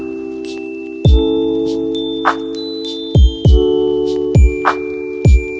kau bersyukur padamu ya allah